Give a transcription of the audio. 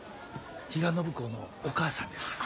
比嘉暢子のお母さんです。